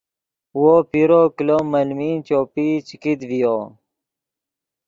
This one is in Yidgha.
وو پیرو کلو ملمین چوپئی چے کیت ڤیو